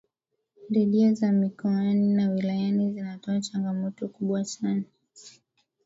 redio za mikoani na wilayani zinatoa changamoto kubwa sana